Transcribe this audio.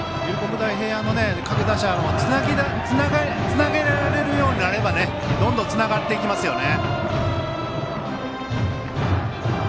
大平安の各打者もつなげられるようになればどんどんつながっていきますね。